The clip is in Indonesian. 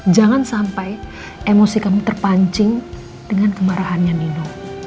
jangan sampai emosi kamu terpancing dengan kemarahannya nino